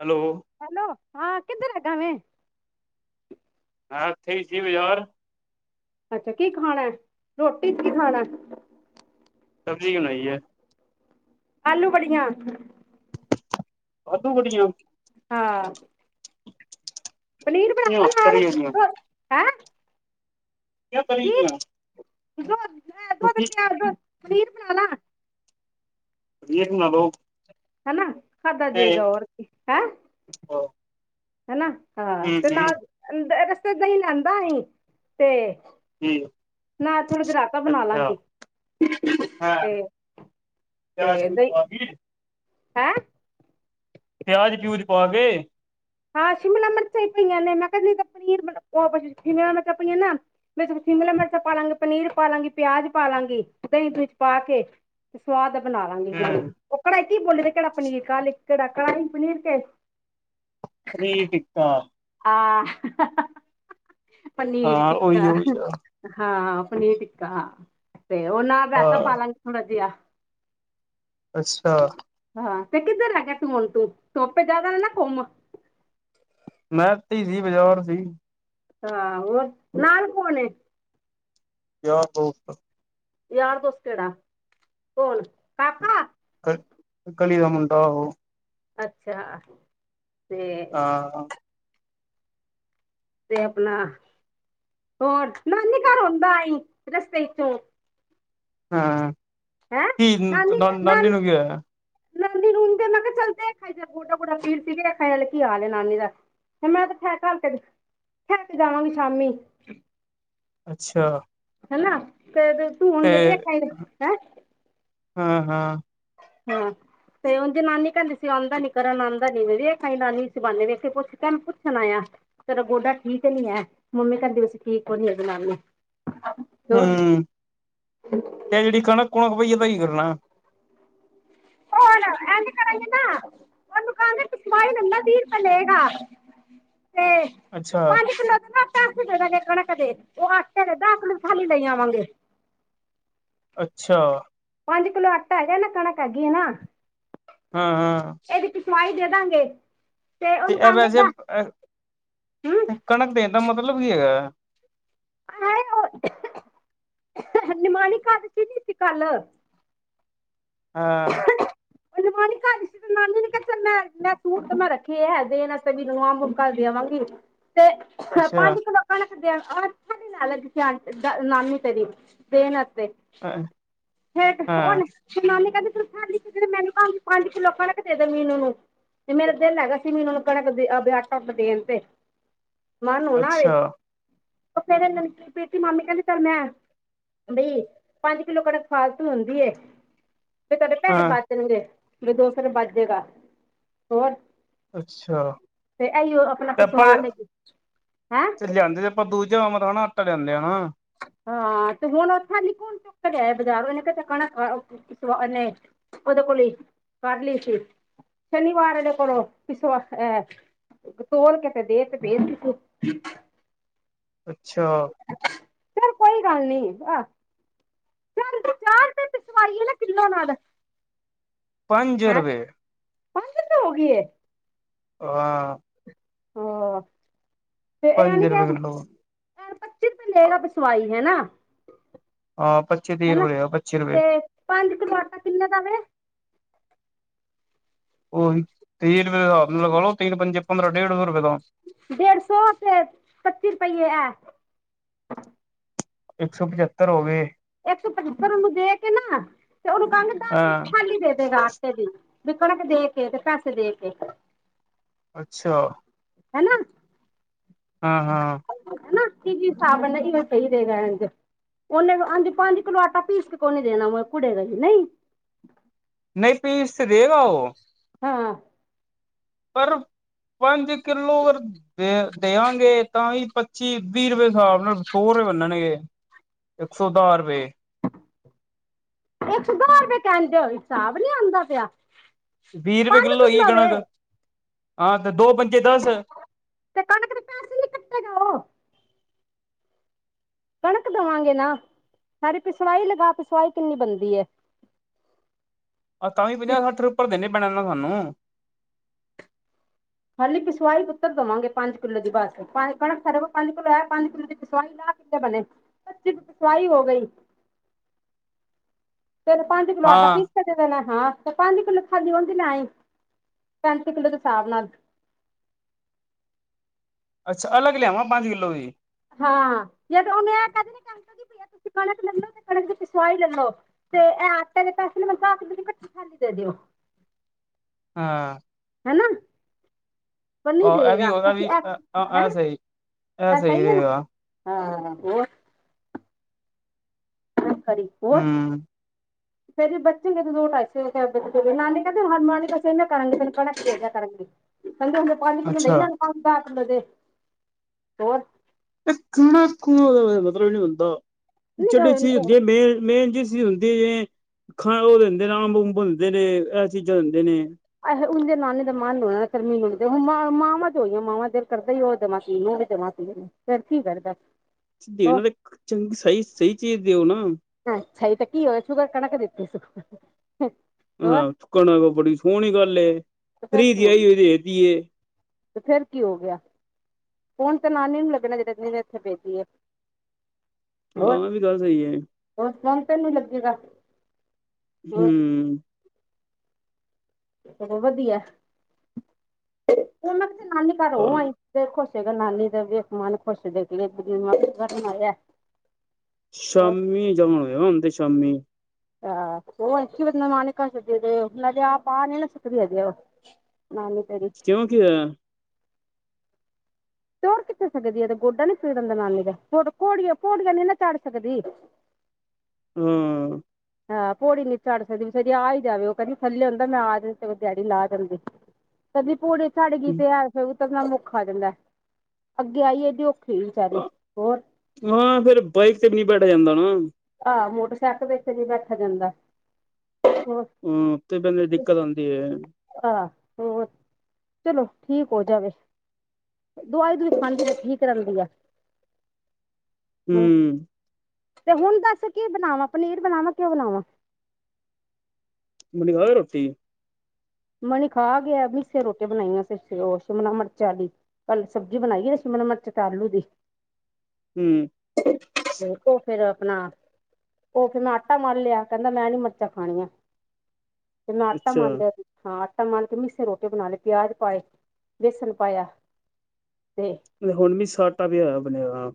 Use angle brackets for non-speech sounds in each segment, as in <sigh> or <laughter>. Hello hello ਹਾਂ ਕਿੱਧਰ ਰਹਿਗਾ ਮੈਂ ਹਾਂ ਈ ਸੀ ਬ ਯਰ ਅੱਛਾ ਕੀ ਖਾਣਾ ਹੈ ਰੋਟੀ ਚ ਕੀ ਖਾਣਾ ਸਬਜ਼ੀ ਕਿ ਬਣਾਈ ਹੈ ਆਲੂ ਵੜੀਆਂ ਵਾਧੂ ਬੜੀਆਂ ਹਾਂ ਪਨੀਰ ਬਣਾਣਾ ਨਾਲ ਹੈ ਕਿ ਕਰਆਂ <unintelligible> ਕਿਉਂਕਿ ਪਿਆਜ ਦੁੱਧ ਪਨੀਰ ਬਣਾ ਲਾ ਪਨੀਰ ਬਨਾਲਾ ਲੋ ਹਨਾ ਖਾਧਾ ਜਾਏਗਾ ਹੋਰ ਕੀ ਹੈ ਹਨਾ ਹਾਂ ਤੇ ਨਾਲ ਰਸਤੇ ਦਹੀਂ ਲੈਂਦਾ ਅਸੀਂ ਤੇ ਨਾ ਥੋੜੇ ਜ ਰਾਈਤਾ ਬਣਾ ਲਾਂਗੇ ਤੇ ਕਿਆ ਕੋਈ ਤ ਹੈ ਪਿਆਜ ਪਿਊਜ ਪਾ ਗ ਹਾਂ ਸ਼ਿਮਲਾ ਮਿਰਚਾਂ ਹੀ ਪਈਆਂ ਨੇ ਮੈਂ ਕਿਹਾ ਜਿੱਦਾਂ ਤਾਂ ਪਨੀਰ ਬ ਸ਼ਿਮਲਾ ਮਿਰਚਾਂ ਪਈਆਂ ਨਾ ਮੈਂ ਸ਼ਿਮਲਾ ਮਿਰਚਾਂ ਪਾ ਲਵਾਂਗੇ ਪਨੀਰ ਪਾ ਲਾਂਗੇ ਪਿਆਜ ਪਾ ਲਾਂਗੀ ਉਾਂ ਹੀ ਚ ਪਾ ਕੇ ਸਵਾਦ ਬਣਾ ਲਾਂਗੇ ਜਿਵੇਂ ਹਮ ਉਹ ਕੜਾਈ ਕੀ ਬੋਲੇ ਕਿਹੜਾ ਪਨੀਰ ਕਾਹ ਕਿਹੜਾ ਕੜਾਹੀ ਪਨੀਰ ਕੇ ਪਨੀਰ ਟਿੱਕਾ ਹ ਪਨੀਰ ਹਾਂ ਉਹੀ ਟਿੱਕਾ ਉਹੀ ਆ ਹਾਂ ਪਨੀਰ ਟਿੱਕਾ ਹਾਂ ਤੇ ਉਹ ਨਾਲ ਰਾਇਤਾ ਹਾਂ ਪਾਲਾਂਗੇ ਥੋੜਾ ਜਿਹਾ ਅੱਛਾ ਹਾਂ ਕਿੱਧਰ ਹ ਨਾ ਤੂੰ ਹੁਣ ਤੂੰ ਧੋਪੇ ਜਿਆਦਾ ਨਾ ਨਾ ਘੁੰਮ ਮੈਂ ਧੀ ਸੀ ਬਜੌਰ ਸੀ ਆਹ ਹੋਰ ਨਾਲ ਕੋਣ ਏ ਕਿਆ ਹੋਗਾ ਯਾਰ ਦੋਸ ਕਿਹੜਾ ਕੌਣ ਪਾਪਾ ਕ ਕਲੀ ਦਾ ਮੁਡਾਂ ਅੱਛਾ ਤੇ ਆਹ ਤੇ ਆਪਣਾ ਹੋਰ ਨਾਨੀ ਘਰ ਆੁੰਦਾ ਆਂਈ ਰਸਤੇੋਂ ਚੋ ਹਾਂ ਕੀ ਨਾਨੀ ਕੀ ਹੋਆ ਨਾਨੀ ਨੂੰ ਤੇ ਮੈਂ ਕਿਹਾ ਚੱਲਦੇ ਆਖ ਗੋਡਾ-ਗੋਡਾ ਫੀਰ ਸੀਗੇਖ ਨਾਲ ਕੀ ਹਾਲ ਨਾਨੀ ਦਾ- ਮੈਂ ਤੇ ਠ ਘਲ ਕੇ ਠਹਿ ਕੇ ਜਾਵਾਂਗੀ ਸ਼ਾਮੀ ਅੱਛਾ ਹੈਨਾ ਤੇ ਤੂੰਣ ਜਿਹੜੇ <unintelligible> ਹਾਂ-ਹਾਂ ਹਮ ਤੇ ਉੰਝ ਨਾਨੀ ਕਹਿੰਦੀ ਸੀ ਆਉਂਦਾ ਨੀ ਕਰਨ ਆਉਂਦਾ ਨੀ ਮ ਵੀ ਵੇਖ ਆਂਈ ਨਾਨੀ ਇਸੀ ਬਾਨੇ ਵੇਖੇ ਪੁੱਛ ਕੇ ਪੁੱਛਣ ਆਯਾਂ ਤੇਰਾ ਗੋਡਾ ਠੀਕ ਨੀ ਹੈ ਮੰਮੀ ਕਹਿੰਦੀ ਪਈਸੀ ਠੀਕ ਹੋਣੀ ਹੈ ਬਣਾਣੀ ਹਮ ਇਹ ਜਿਹੜੀ ਕਣਕ ਕੁਣਕ ਪਈ ਇਹਦਾ ਕੀ ਕਰਨਾ ਹੋਰ ਐਵੇਂ ਕਰਾਂਗੇ ਨਾ ਉਹ ਦੁਕਾਨਵਾਦ ਇਸਵਾਈ ਲੈਂਦਾ ਤੀਹ ਰੁਪਏ ਲਏਗਾ <inaudible> ਅੱਛਾ ਦਸ ਦੇ ਦਗੇ ਕਣਕ ਦੇ ਉਹ ਅੱਟੇੱ ਦੇ ਦਸ ਖੈਲੀ ਲਈ ਆਵਾਂਗੇ ਅੱਛਾ ਪੰਜ ਕਿਲੋ ਆਟਾ ਹੈਗਾ ਨਾ ਕਣਕ ਹੈਗੀ ਨਾ ਹਾਂ ਹਾਂ ਇਹਦੀ ਪਿ ਸਵਾਈ ਦੇ ਦਾਂਗੇ ਤੇ ਉਹਨੂੰ ਇਹ ਕਹਾਂਗੇ ਵੈਸੇ ਹਮ ਕਣਕ ਦੇਣ ਦਾ ਮਤਲਬ ਕੀ ਹੈਗਾ ਆ ਉਹ ਨਿਮਾਣੀ ਕਾਸ ਤੀ ਨੀ ਦਿੱਤੀ ਸੀ ਕੱਲ ਹਾਂ ਨਿਮਾਣੀ ਕਾਸ ਤੀ ਨਾਨੀ ਨੇ ਕਿਹਾ ਮੈਂ ਮੈਂ ਸੂਟ ਤਾਂ ਮੈਂ ਰੱਖੇ ਹੈ ਦੇਣ ਵੀ ਨਵਾਂ ਮੁਕਾ ਵਾਂਗੀ ਤੇ ਅੱਛਾ ਪੰਜ ਕਿਲੋ ਕਣਕ ਹ ਅੱਛਾ ਨੀ ਲੈਣ ਲੱਗ ਨਾਮੀ ਤੇਰੀ ਦੇਨ ਹਾਂ ਫੇਠ ਉਹੁਣ ਸੁਨਾਨੀ ਮੈਨੂੰ ਪੰਜ-ਪੰਜ ਕਿੱਲੋ ਖੜਕ ਦੇ ਦ ਮੀਨੂੰ ਨੂੰ ਤੇ ਮੇਰਾ ਦਿਲ ਹੈਗਾ ਸੀ ਮੀਨੂ ਨੂੰ ਕਣਕ ਆਟਟ ਦੇਣ ਤੇ ਮ ਨੂੰ ਨਾ ਆਵੇ ਅੱਛਾ ਪ੍ਰੀਤੀ ਮਾਮੀ ਕਹਿੰਦੀ ਕਰਮੈਂ ਬਈ ਪੰਜ ਕਿਲੋ ਕਣਕ ਫਾਲਤੂ ਹੁੰਦੀ ਫ ਤੇਰੇ ਪੈਸੇ ਹਾਂ ਬੱਜਣਗੇ ਮੇਰੇ ਦੋਸਤ ਨੇ ਬੱਜੇਗਾ ਹੋਰ ਅੱਛਾ ਤੇ ਆਈਓ ਉਹ ਆਪਣਾ ਤੇ ਆਪਾਂ ਪਿਸਵਾਹ ਲੇਗੀ ਹੈਂ ਜਾਂ ਮਤਾ ਨਾ ਆਟਾ ਲਿਆਂਦੇ ਆ ਨਾ ਹਾਂ ਤੇ ਹੁਣ ਓਥਾਂ ਨਿਕਣ ਚੁੱਕ ਗਿਆ ਬਾਜ਼ਾਰ ਉਹਨੇ ਕਤਾ ਕਣਾਾਰ ਉਹਦੇ ਕੋਲ ਕਰ ਲਈ ਸੀ ਸ਼ਨੀਵਾਰ ਇਹਦੇ ਕੋਲੋਂ ਕਿਸਵਾ ਹੈ ਤੋਲ ਕੇ ਤੇ ਦੇ ਤੇ ਅੱਛਾ। ਚੱਲ ਕੋਈ ਗੱਲ ਨੀ ਅਹ। ਚੱਲ ਤੂੰ ਤੇ ਸਹੀ ਸਵਾਰਿਆ ਨਾ ਕਿੱਲਾਂ ਲਾ ਦਾਗੇ। ਪੰਜ ਰੁਪਏ। ਪੰਜ 'ਚ ਹੋ ਗਈ ਹੈ। ਹਾਂ। ਹਾਂ। ਪੰਜ ਰੁਪਏ ਕਿਲੋ। ਨਾਲੇ ਪੱਚੀ ਤੋਂ ਲੇ ਗਾ ਵਿਸਵਾਈ ਹੈ ਨਾ। ਹਾਂ ਪੱਚੀ ਤੀਹ ਹਨਾ ਰੁਪਏ ਆ ਪੱਚੀ ਰੁਪਏ ਤੇ ਪੰਜ ਕਿਲੋ ਆਟਾ ਕਿੰਨੇ ਦਾ ਵੇ। ਉਹੀ ਤੀਹ ਰੁਪਏ ਹਿਸਾਬ ਨਾਲ ਲਗਾ ਲੋ ਤੀਨ ਪੰਜ ਪੰਦਰਾਂ ਡੇਢ ਸੌ ਰੁਪਏ। ਦਾ ਡੇਢ ਸੌ ਉਹ ਹੋ ਗਏ ਪੱਚੀ ਰੁਪਈਏ ਇਹ। ਇੱਕ ਸੌ ਪਚੱਤਰ ਹੋ ਗਏ। ਇੱਕ ਸੌ ਪਚੱਤਰ ਉਹਨੂੰ ਦੇ ਕੇ ਨਾ ਤੇ ਉਹਨੂੰ ਕੰਘ ਹਾਂ ਖਾਲੀ ਦੇ ਦੇ ਹਫਤੇ ਦੀ। ਵੀ ਕਣਕ ਦੇ ਕੇ ਤੇ ਪੈਸੇ ਦੇ ਕੇ। ਅੱਛਾ। ਹਨਾ। ਹਾਂ ਹਾਂ। ਕੀ ਕੀ ਸਾਬ ਵਣੇਗਾ ਇਹ ਸਹੀ ਦੇਗਾ। ਉਹਨੇ ਅ ਪੰਜ ਕਿਲੋ ਆਟਾ ਪੀਸ ਕੇ ਕੋ ਨੀ ਦੇਣਾ ਮੈਂ ਕੁੜੇ ਦਾ ਹੀ ਨਹੀਂ। ਨਹੀਂ ਪੀਸ ਤੇ ਦੇਗਾ ਉਹ। ਹਾਂ। ਪਰ ਪੰਜ ਕਿੱਲੋ ਦੇ। ਦੇਵਾਂਗੇ ਤਾਂ ਵੀ ਪੱਚੀ ਵੀਹ ਰੁਪਏ ਹਿਸਾਬ ਨਾਲ ਸੌ ਰੁਪਏ ਬਣਨਗੇ। ਇੱਕ ਸੌ ਦਾਰ ਰੁਪਏ। ਇੱਕ ਸੌ ਦਸ ਰੁਪਏ ਕਹਿਣ ਦਿਓ ਹਿਸਾਬ ਨੀ ਆਉਂਦਾ ਪਿਆ। ਵੀਹ ਰੁਪਏ ਪੰਜ ਕਿੱਲੋ ਹੋਈ ਵੇ। ਕਣਕ ਹਾਂ ਤੇ ਦੋ ਪੰਜ। ਪੰਜੇ ਦਸ। ਤੇ ਕਣਕ ਦੇ ਪੈਸੇ ਨੀ ਕੱਟੇਗਾ ਉਹ ਕਣਕ ਦੇਵਾਂਗੇ ਨਾ ਸਾਰੀ ਪਿਸਵਾਈ ਲਗਾ ਕੇ ਪਿਸਾਈ ਕਿੰਨੀ ਬਣਦੀ ਹੈ? <inaudible> ਆਹ ਤਾਂ ਵੀ ਪੰਜਾਹ ਸੱਠ ਰੁਪਏ ਉੱਪਰ ਦੇਣੇ ਪੇਣੇ ਨਾ ਤੁਹਾਨੂੰ। ਖਾਲੀ ਪਿਸਵਾਈ ਪੁਤਰ ਦੇਵਾਂਗੇ ਪੰਜ ਕਿੱਲੋ ਦੀ ਬਸ ਕਣਕ ਸ ਪੰਜ ਕਿੱਲੋ ਹੈ ਪੰਜ ਕਿੱਲੋ ਦੀ ਪਿਸਵਾਈ ਦਾ ਸੱਠ ਕਿਵੇਂ ਬਣੇ ਪੱਚੀ ਦੀ ਪਿਸਵਾਈ ਹੋ ਗਈ। ਤਿੰਨ ਪੰਜ ਕਿਲੋ ਆਟਾ ਹਾਂ ਪੀਸ ਕੇ ਦੇ ਦੇਣਾ। ਹਾਂ ਤੇ ਪੰਜ ਕਿੱਲੋ ਖਾਲੀ ਉਹਦੀ ਲੇ ਆਈ ਪੈੰਤੀ ਕਿੱਲੋ ਦੇ ਹਿਸਾਬ ਨਾਲ। <inaudible> ਅੱਛਾ ਅਲੱਗ ਲਿਆਵਾਂ ਪੰਜ ਕਿੱਲੋ ਵੀ। ਹਾਂ ਜਦ ਉਹਨੇ ਇਹ ਕਿਹ ਦਿੱਤਾ ਕਣਕ ਤੁਸੀਂ ਕਣਕ ਲੈ ਲੋ ਤੇ ਕਣਕ ਦੀ ਪਿਸਵਾਈ ਲੈ ਲੋ। ਤੇ ਇਹ ਆਟੇ ਦੇ ਪੈਸੇ ਨੂੰ ਕਿਹਾ ਵੀ ਖਾਲੀ ਦੇ ਦਿਓ। <inaudible> ਹਾਂ। ਹੈ ਨਾ‌। ਪਰ ਨਹੀਂ ਇਹ ਵੀ ਦੇਗਾ ਕਿਉਂਕਿ ਵੀ ਇਹ ਸਹੀ ਸਹੀ ਇਹ ਸਹੀ ਹੈ ਨਾ। ਰਹੇਗਾ ਹਾਂ ਹੋਰ? ਖਰੀ ਹੋਰ। ਹਮ ਫੇਰ ਵੀ ਬਚੇ ਦੋ ਢਾਈ ਕਿੱਲੋ ਕਹਿੰਦਾ ਸੀ ਨਾਨੀ ਕਹਿੰਦੀ ਨਿਮਾਣੀ ਕਾਸ਼ਤੀ ਦੇ ਕਣਕ ਕਣਕ ਹੀ ਦੇ ਦਇਆ ਕਰਾਂਗੀ। ਠੰਡੇ ਹੁੰਦੇ ਪਾਣੀ ਪੁਣੀ ਦਈ ਅੱਛਾ ਨਾ ਦੇ ਹੋਰ। <inaudible> ਖਾਣਾ ਕੁੂਹ ਦਾ ਮਤਲਬ ਨੀ ਹੁੰਦਾ ਜਿਹੜੀ ਨਹੀਂ ਚੀਜ਼ ਹੁੰਦੀ ਹੈ ਮੇਨ ਮੇਨ ਚੀਜ਼। ਦੀ ਜਿਵੇਂ ਹੁੰਦੇ ਨੇ ਖਾਣ ਨੂੰ ਉਹ ਦਿੰਦੇ ਨੇ ਅੰਬ ਔਬ ਦਿੰਦੇ ਨੇ ਇਹ ਚੀਜ਼ਾਂ ਦਿੰਦੇ ਨੇ। ਉਹਦੇ ਨਾਨੇ ਦਾ ਮਨ ਨਹੀਂ ਹੋਣਾ ਫਿਰ ਨਹੀਂ ਦਿੰਦੇ ਉਹ ਮਾਵਾਂ ਹੋਈਆਂ ਮਾਵਾਂ ਦਿਲ ਕਰਦਾ ਹੀ ਉਹ ਦਵਾਈ ਚੀਜ ਉਹ ਵੀ ਦਵਾ। ਫਿਰ ਕੀ ਕਰਦਾ। ਹੋਰ ਦੇਣਾ ਤੇ ਚੰਗੀ ਸਹੀ ਸਹੀ ਚੀਜ਼ ਦਿਓ ਨਾ। ਅੱਛਾ ਇਹ ਤਾਂ ਕੀ ਹੋਇ ਸ਼ੁਕਰ ਕਣਕ ਦਿਤੀ ਸੁ। ਹਾਂ ਸੁੱਕਣ ਕੋ ਬੜੀ ਸੋਹਣੀ ਗੱਲ ਏ ਤੇ ਫਿਰ ਫਰੀ ਕੀ ਦੀ ਹੋ ਆਈ ਹੋਈ ਦੇ ਤੀ ਏ। ਤੇ ਫੇਰ ਕੀ ਹੋ ਗਿਆ। ਫੋਣ ਤਾਂ ਨਾਨੀ ਨੂੰ ਲੱਗਣਾ ਜਿਦੇ ਇੱਥੇ ਬੇਜੀ ਹੈ। ਹੋਰ ਹਾਂ ਵੀ ਗੱਲ ਸਹੀ ਹੈ। ਹੋਰ ਫੋਨ ਤੈਨੂੰ ਲੱਗੇਗਾ। ਹੋਰ ਹਮ। ਵਧੀਆ ਉਹ ਮੈਂ ਨਾਨੀ ਘਰ ਹੋ ਹਾਂ। ਆਈ ਤੇ ਖੁਸ਼ ਕੇਹਣਦਾ ਨਾਨੀ ਦਾ ਵੀਖ ਮਨ ਖੁਸ਼ ਦੇਖ ਦੇਖ ਜੀਵਾ। ਸ਼ਾਮੀ ਜਮਾ ਹੋਏਗਾ ਹੁਣ ਤੇ ਸ਼ਾਮੀ। ਆਹ ਉਹ ਅੀ ਬਦ ਮਾਂ ਨੇ ਘਰ ਸਦੀ ਲਜ ਆਹ ਪਾ ਨ ਨਾ ਸੁਿੱਦੀ ਹੈਜ ਉਹ <unintelligible> ਨਾਨੀ ਤੇਰੀ ਕਿੳ ਕਿ ਹੋਇਆ। ਤੋਰ ਕਿੱਥੇ ਸਕਦੀ ਇਹ ਗੋਡਾ ਨੀ ਪੀੜ ਹੁੰਦਾ ਨਾਨੀ ਦਾ ਪੋੜੀਆਂ ਪੋੜੀਆਂ ਨੀ ਨਾ ਚਾੜ ਸਕਦੀ। ਹਮ। ਹਾਂ ਭੋੜੀ ਨੀ ਚੜ ਸਕਦੀੇ ਜ ਆ ਹੀ ਜਾਵੇ ਉਹ ਕਹਿੰਦੀ ਥੱਲੇ ਹੁੰਦਾ ਮੈਂ ਆ ਜਾਂ ਤੇ ਡੈਡੀ ਲਾ ਦਿੰਦੀ। ਕਦੀ ਪੋੜੀ ਚਾੜ੍ਹ ਗੀ ਤੇ ਹੈ ਤੇ ਫਿਰ ੳਤਰਣਾ ਮੁਖਾ ਹੋ ਜਾਣਦੇ ਅੱਗੇ ਆਈਏ ਜੇ ੳ। ਹਾਂ ਫਿਰ ਬਾਈਕ ਤੇ ਵੀ ਨੀ ਬੈਠਾ ਜਾਂਦਾ ਨਾ। ਹ ਮੋਟਰਸਾਈਕਲ ਵਿੱਚ ਨਹੀਂ ਬੈਠਾ ਜਾਂਦਾ। ਹੋਰ ਹਮ ਤੇ ਬੇੰਦੇ ਦਿੱਕਤ ਆਉਂਦੀ ਹੈ। ਹੋਰ ਚਲੋ ਠੀਕ ਹੋ ਜਾਵੇ। ਦਵਾਈ ਦੁਵੁਈ ਖਾਂਦੀ ਠੀਕ ਰਹਿੰਦੀ ਆ। ਹੂੰ ਹਮ। ਤੇ ਹੁਣ ਦੱਸ ਕੀ ਬਣਾਵਾਂ ਪਨੀਰ ਬਣਾਵਾਂ ਕਿ ਉ ਬਣਾਵਾਂ। ਮਨੀ ਖਾ ਗਿਆ ਰੋਟੀ। ਮਨੀ ਖਾ ਗਿਆ ਮੀ ਸੇ ਰੋਟੀਆਂ ਬਣਾਈਆਂ ਉਹ ਸ਼ਿਮਲਾ ਮਿਰਚਾਂੀ ਕੱਲ ਸਬਜ਼ੀ ਬਣਾਈ ਆ ਸ਼ਿਮਲਾ ਮਿਰਚਟ ਆਲੂ ਦੀ ਹੂੰ ਦੇਖੋ ਫੇਿਰ ਆਪਣਾ ਉਹ ਫਿਰ ਮੈਂ ਆਟਾ ਮਨ ਲਿਆ ਕਹਿੰਦਾ ਮੈਂ ਨੀ ਮਿਰਚਾਂ ਖਾਣੀਆਂ ਇਹਨ ਅਟਮਜ ਅੱਛਾ। ਹ ਆਟਾ ਮਨ ਕੇ ਮੀਸੇ ਰੋਟੇ ਬਣਾ ਲਏ ਪਿਆਜ ਪਾਏ ਬੇਸਨ ਪਾਇਆ ਤੇ ਹੁਣ ਵੀ ਸਟਾ ਵੀ ਹੋਇਆ ਬਣਿਆ ਵ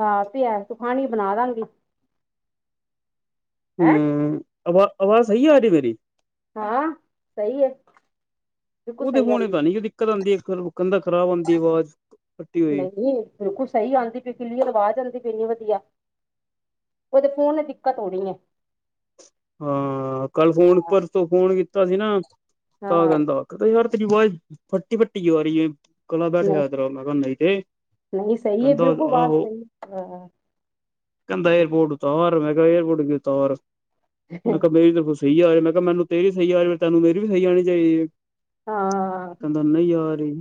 ਹਾਂ ਤੇ ਐ ਤੂੰ ਖਾਣੀ ਬਣਾ ਦਾਂਗੀ ਹੈਂ ਹਮ ਆਵਾ ਆਵਾਜ਼ ਸਹੀ ਆ ਆਡੀ ਮੇਰੀ ਹਾਂ ਸਹੀ ਹੈ ਬਿਲਕੁਲ ਉਹਦੇ ਸਹੀ ਹੁਣੇ ਆਂਦੀ ਤਾਂ ਨੀ ਜੋ ਦਿੱਕਤ ਆਉਂਦੀ ਫੁ ਦਾ ਨਹੀਂ ਬਿਲਕੁਲ ਸਹੀ ਆਉਂਦੀ ਪ ਕਿਲੀਅਰ ਆਵਾਜ਼ ਆਉਂਦੀ ਵਧੀਆ ਉਹਦੇ ਫੋਨ ਨੇ ਦਿੱਕਤ ਹੋਣੀ ਹੈ ਹਾਂ ਕੱਲ ਫੋਨ ਪਰ ਤੋਂ ਫੋਨ ਕੀਤਾ ਸੀ ਨਾ ਤਾਂ ਹਾਂ ਕਹਿੰਦਾ ਕ ਯਾਰ ਰੀ ਬਹੁਤ ਫੱਟੀ ਫੱਟੀ ਗ ਹੋ ਰਹੀ ਕਲਾ ਬੈਠ ਨਹੀਂ ਹੈਤ ਮਗ ਨਹੀਂ ਤੇ ਨਹੀਂ ਸਹੀ ਹੈ ਕਦਾ ਬਿਲਕੁਲ ਬਾਤ ਆਹ ਸਹੀ ਹਾਂ ਕਹਿੰਦਾ ਏਅਰਪੋਰਟ ਉਤਾਰ ਮੈਂ ਕਿਹਾ ਏਅਰਪੋਰਟ ਗ ਤਾਰ ਮੈਂ ਕਿਹਾ ਮੇਰੀ ਸਹੀ ਆ ਮੈਂ ਕਿਹਾ ਮੈਨੂੰ ਤੇਰੀ ਸਹੀ ਆਾਰ ਫ ਤੈਨੂੰ ਮੇਰੀ ਵੀ ਸਹੀ ਆਉਣੀ ਚਾਹੀਦੀ ਹੈ ਹਾਂ ਕਹਿੰਦਾ ਨਹੀਂ ਯਾਰ ਜੀ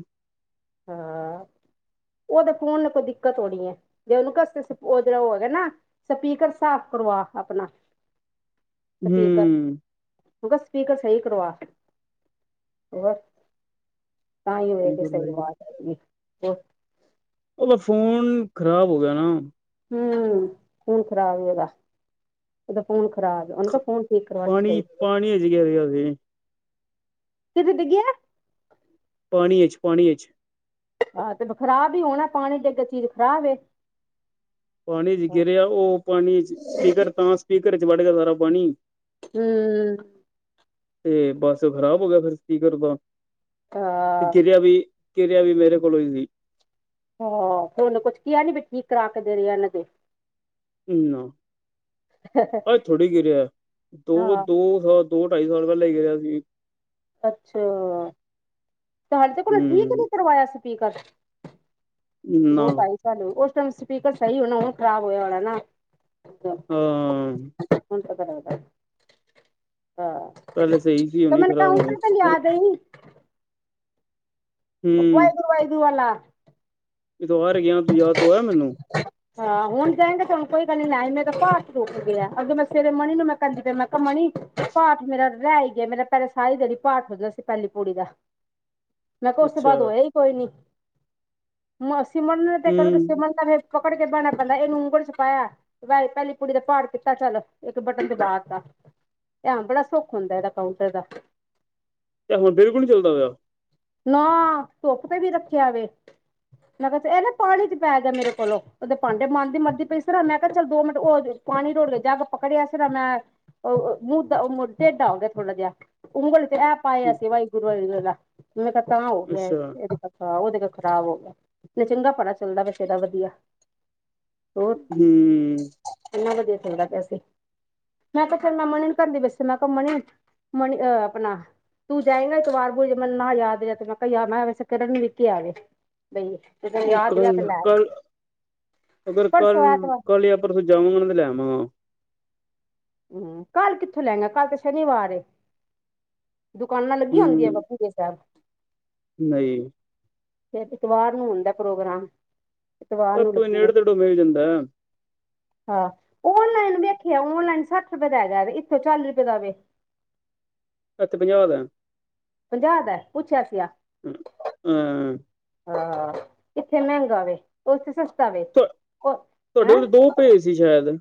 ਹਾਂ ਉਹ ਤਾਂ ਫੋਨ ਨੇ ਕੋਈ ਦਿੱਕਤ ਹੋਣੀ ਹੈ ਜੇ ਉਹਨੂੰ ਕਸ ਉਹ ਜਿਹੜਾ ਉਹ ਹੈਗਾ ਨਾ ਸਪੀਕਰ ਸਾਫ਼ ਕਰੋ ਵਾਹ ਆਪਣਾ ਹਮ ਮ ਕਿਹਾ ਸਪੀਕਰ ਸਹੀ ਕਰਵਾ ਹੋ ਤਾਂ ਹੀ ਹੋਵੇ ਕਿਸ ਸ ਦੀ ਆਜ਼ ਹੈਗੀ <inaudible> ਉਹਦਾ ਫੋਨ ਖ਼ਰਾਬ ਹੋ ਗਿਆ ਨਾ। ਹੂ ਫੋਨ ਖਰਾਬ ਉਹਦਾ ਉਹਦਾ ਫੋਨ ਖ਼ਰਾਬ ਉਹਨੂੰ ਕਹਿ ਫੋਨ ਠੀਕ ਕਰਵਾ ਕੇ ਪਾਣੀ ਭੇਜ ਦੇ। ਪਾਣੀ ਚ ਗਿਰਿਆ ਸੀ ਕਿ ਫਿ ਡਿਗੀ ਐ। ਪਾਣੀਏ ਚ ਪਾਣੀ 'ਪਾ। ਆਹ, ਤੇ ਖ਼ਰਾਬ ਹੀ ਹੋਣਾ ਪਾਣੀ ਦੇ ਅੱਗੇ ਚੀਜ਼ ਖ਼ਰਾਬ ਏ। ਪਾਣੀ ਚ ਗਿਰਿਆ। ਉਹ ਪਾਣੀ ਚ ਸਪੀਕਰ ਤਾਂ ਸਪੀਕਰ ਚ ਵੱੜ ਗਿਆ ਦੁਬਾਰਾ ਪਾਣੀ। ਹੂ ਤੇ ਬਸ ਖ਼ਰਾਬ ਹੋ ਗਿਆ। ਫਿਰ ਕੀ ਸਪੀਕਰ ਬਣ। ਤਾਂ ਕਿਰਿਆ ਵੀ ਮੇਰੇ ਕੋਲੋਂ ਹੋਈ ਸੀ। ਹਾਂ। ਉਹਨੇ ਕੁਛ ਕਿਹਾ ਨੀ ਬ ਠੀਕ ਕਰਾ ਕੇ ਦੇ ਰਹੇ ਏਹਲਾ ਫੇਰ। ਇਨਾਂ ਅੱਜ ਥੋੜ੍ਹੀ ਕਿਰਿਆ ਏ ਦੋ ਹਾਂ ਦੋ ਦੋ ਢਾਈ ਸਾਲ ਪਹਿਲੇ ਕੇਹਾ ਸੀ। ਅੱਛਾ! ਹਾਲੇ ਤੋ ਕੋਲ ਠੀਕ ਹੂੰ ਨੀ ਕਰਵਾਇਆ ਸੀ। ਕਰ ਨਾ ਦੋ ਢਾਈ ਸਾਲ ਹੇ ਹੋਉਹ ਸਪੀਕਰ ਸਹੀ ਹੋਣਾ ਏ, <inaudible> ਉਹ ਨਾ ਉਹ ਖਰਾਬ ਐਲਾ ਨਾ ਹਮ ਬ ਹਹ ਪਹਿਲੇ ਸਹੀ ਸੀ ਤੇ ਹੁਣੀ ਮੈਨੂੰ ਖ਼ਰਾਬ ਕੱਲ ਹੋਣੀ ਤੱਕ ਲਿਆ ਹੂੰ ਦਈ ਓ, ਵਾਏ ਗੁਰੂ, ਵਾਏ ਗੁਰੂ ਵਾਲਾ। ਇਦ ਵਾਰ ਗਿਆ। ਯਾਦ ਦੁਆਇਆ ਮੈਨੂੰ। <unintelligible> ਹਾਂ ਹੁਣ ਜਾਏਗਾ ਤੇਣ ਕੋਈ ਗੱਲ ਨੀ ਲਏ ਮੇਰਾ ਭਾਰ ਰੁਕ ਗਿਆ ਅੱਗੇ ਮੈਂ ਸਵੇਰੇ ਮਨੀ ਨੂੰ ਮੈਂ ਕਹਿੰਦੀ ਪ ਮੈਂ ਕਿਹਾ ਮਨੀ <unintelligible> ਪਾਠ ਮੇਰਾ ਰਹਿ ਹੀ ਗਿਆ। ਮੇਰਾ ਪੈਰੇ ਸਾਰੀ ਦਿਣੀ ਪਾਠ ਸਦਾ ਸੀ ਪੈਲੀ ਪ ਪੁੜੀ ਦਾ ਮੈਂ ਕਿਹਾ, ਉਸ ਤੋਂ ਅੱਛਾ ਬਾਅਦ ਹੋਇਆ ਹੀ ਕੋਈ ਨੀ। ਮਸੀਮਡ ਕਰ ਤੇ ਸ ਹੂੰ ਸੀਮਡ ਪਕੜ ਕੇ ਪੇਣਾ ਪੈਂਦਾ, ਇਹਨੂੰ ਉਂਗਲ ਵਿੱਚ ਪਾਇਆ ਵੇ, ਪਹਿਲੀ ਪੁੜੀ ਦਾ ਪਾੜ ਕੀਤਾ, ਚੱਲ ਇੱਕ ਬਟਨ ਦਬਾ ਤਾ। ਧਿਆਨ ਬੜਾ ਸੁੱਖ ਹੁੰਦਾ ਇਹਦਾ ਕਾਊਂਟਰ ਦਾ। ਤੇ ਹੁਣ ਬਿਲਕੁਲ ਨੀ ਚੱਲਦਾ ਪਿਆ ਨਾ, ਧੁੱਪ ਤੇ ਵੀ ਰੱਖਿਆ ਵੇ। ਮੈਂ ਕਿਹਾ ਇਹ ਨਾ ਪਾਣੀ ਚ ਪੈ ਗਿਆ, ਮੈਂ ਫੇਰ ਨਾ ਮੇਰੇ ਕੋਲੋਂ ਉਹਦੇ ਭਾਂਡੇ ਮਨਦੀ ਮਾਜਦੀ ਪਈ ਸੀ ਨਾ, ਮੈਂ ਕਿਹਾ ਚੱਲ ਦੋ ਮਿੰਟ ਹੋ ਪਾਣੀ ਰੋੜ ਕੇ ਪਕੜਿਆ ਸੀ ਨਾ ਮੈਂ। ਉਹ ਮੁਦਾ ਢੇਡਾ ਹੋ ਗਿਆ, ਥੋੜਾ ਜਿਹਾ ਉਂਗਲ ਤੇ ਇਹ ਪਾਇਆ ਸੀ, ਵਾਹਿਗੁਰੂ ਵਾਲੀ ਜਗਾ ਮੈਂ ਤਾਂ ਹੋ ਗਿਆ ਅੱਛਾ ਇਹ ਉਹਦੇ ਖਰਾਬ ਹੋ ਗਿਆ। ਚੰਗਾ ਪਤਾ ਚੱਲਦਾ ਪਿਆ ਸੀ ਐਦਾ ਵਧੀਆ, ਹੋ, ਹੂੰ ਕਿੰਨਾ ਵਧੀਆ ਚਲਦਾ ਪਿਆ ਸੀ? ਮੈਂ ਕਿਹਾ ਚਿਰ ਮੈਂ ਮੰਨੀ ਨਹੀਂ ਕਰਦੀ ਵੈਸੇ ਮੈਂ ਕਿਹਾਮਣੀ ਮਨੀ ਅਹ ਆਪਣਾ ਤੂੰ ਜਾਈ ਨਾ ਇੱਕ ਵਾਰ ਬ ਜੇ ਮੈਨੂੰ ਨਾ ਯਾਦ ਰਿਹਾ ਤੇ ਮੈਂ ਕਿਹਾ ਜਾ ਮੈਂ ਕਿਹਾ ਵੈਸੇ ਮਿਲ ਕੇ ਆਵੇ। ਬਈ ਤੇ ਤੈਨੂੰ ਏ ਯਾਦ ਰਿਹਾ ਤੇ ਲੈ ਕੱਲ-ਕੱਲ ਅਗਰ ਪਰਸੋਂ ਐਤਵਾਰ ਕੱਲ-ਕੱਲ ਪਰਸੋਂ ਜਾਵਾਂਗਾ ਤੇ ਲੈ ਆਵਾਗਾ। ਹੂੰ, ਕੱਲ ਕਿੱਥੋਂ ਲੈਣਾ ਕੱਲ ਤੇ ਸ਼ਨੀਵਾਰ ਏ? ਦੁਕਾਨਾਂ ਲੱਗੀਆ ਹੁੰਦੀਆਂ ਵਪੂ ਦੇ ਸੇਰ। ਨਈ। ਐਤਵਾਰ ਨੂੰ ਹੁੰਦਾ ਪ੍ਰੋਗਰਾਮ, ਇਤਵਾਰ ਏਤੇ ਨੂੰ ਤੂੰਈ ਲੱਗੂਗਾ ਨੇੜੇ-ਤੇੜੇ ਮਿਲ ਜਾਂਦਾ। ਹਾਂ ਔਨਲਾਈਨ ਵੇਖਿਆ, ਔਨਲਾਈਨ ਸੱਠ ਰੁਪਏ ਦਾ ਹੈਗਾ, ਤੇ ਇੱਕ ਸੋ ਚਾਲੀ ਰੁਪਏ ਦਾ ਵੀ। ਐਥੇ ਪੰਜਾਹ ਦਾ, ਪੰਜਾਹ ਦਾ, ਪੁੱਛਿਆ ਸੀਗਾ। ਹਾਂ, ਹਾਂ, ਇੱਥੇ ਮਹਿੰਗਾ ਵੇ ਉਥੇ ਸੱ ਤੁਹਾਡੇ ਹੈਂ। ਕੋਲ ਦੋ ਭੇਜ ਸੀ ਸ਼ਾਇਦ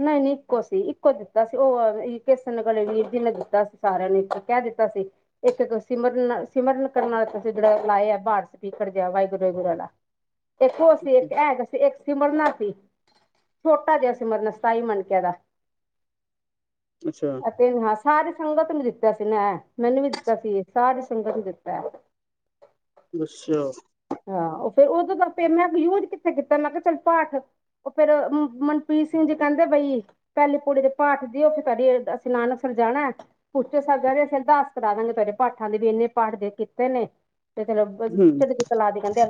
ਨਹੀਂ-ਨਹੀਂ, ਇੱਕੋ ਸੀ ਇੱਕੋ ਦਿੱਤਾ ਸੀ, ਉਹ ਕਿਸਨ ਗਲੇ ਵੀਰ ਜੀ ਨੇ ਦਿੱਤਾ ਸੀ, ਸਾਰਿਆਂ ਨੂੰ ਇੱਕੋ ਕਹਿ ਦਿੱਤਾ ਦਿੱਤਾ ਸੀ, ਇੱਕ ਸਿਮਰਨ-ਸਿਮਰਨ ਕਰਨ ਵਾਸਤੇ ਸੀ, ਜਿਹੜਾ ਲਾਇਆ ਜਿਹੜਾ ਸਪੀਕਰ ਵਾਹਿਗੁਰੂ-ਵਾਹਿਗੁਰੂ ਆ। <inaudible> ਇੱਕੋ ਸੀ ਇੱਕ ਹੈਗਾ ਸੀ ਇੱਕ ਸਿਮਰਨਾ ਸੀ, ਛੋਟਾ ਜਿਹਾ ਸਿਮਰਨਾ ਸੀ। ਸਤਾਈ ਮਣਕਿਆ ਦਾ ਅੱਛਾ ਅਤੇ ਹੱਸ ਸਾਰੀ ਸੰਗਤ ਨੂੰ ਦਿੱਤਾ ਸੀ, ਨਾ ਮੈਨੂੰ ਵੀ ਦਿੱਤਾ ਸੀ ਇਹ ਸਾਰੀ ਸੰਗਤ ਨੂੰ ਦਿੱਤਾ ਐ। ਅੱਛਾ। ਹਾਂ ਉਹ ਫੇਰ ਉਦੋਂ ਤਾਂ ਆਪ ਮੈਂ ਯੂਜ ਕਿੱਥੇ ਕੀਤਾ, ਮੈਂ ਕਿਹਾ ਚੱਲ ਪਾਠ ਉਹ ਫੇਰ ਮਨਪੀਤ ਸਿੰਘ ਜੀ ਕਹਿੰਦੇ ਬਈ ਪੈਲੀ ਪੋੜੀ ਦੇ ਪਾਠ ਦਿਓ, ਫੇਰ ਕਰ ਅਸੀਂ ਨਾਨਕ ਸਰ ਜਾਣਾ ਪੁੱਛੋ ਅਸੀਂ ਦੱਸ ਕਰਾ ਦਾਂਗੇ ਤੇਰੇ ਪਾਠਾਂ ਦੇ ਵੀ ਇੰਨੇ ਪਾਠ ਦੇ ਕੀਤੇ ਨੇ। ਤੇ ਚਲੋ ਬ ਹੂੰ ਚ ਚਲਾ ਦੇ ਕਹਿੰਦੇ